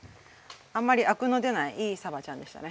あんまりアクの出ないいいさばちゃんでしたね。